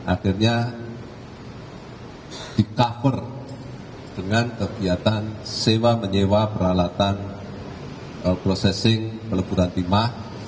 akhirnya di cover dengan kegiatan sewa menyewa peralatan processing peleburan timah